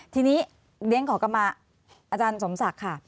ทีนี้เรียนขอกลับมาอาจารย์สมศักดิ์ค่ะ